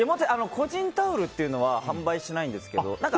個人タオルっていうのは販売してないんですけど。